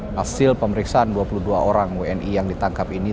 hasil pemeriksaan dua puluh dua orang wni yang ditangkap ini